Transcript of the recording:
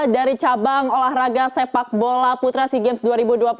dari cabang olahraga sepak bola putra sea games dua ribu dua puluh tiga